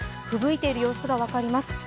ふぶいている様子が分かります。